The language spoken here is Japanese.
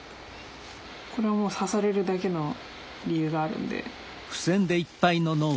これを刺されるだけの理由があるんで。